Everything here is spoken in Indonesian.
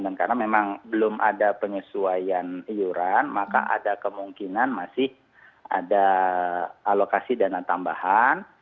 dan karena memang belum ada penyesuaian iuran maka ada kemungkinan masih ada alokasi dana tambahan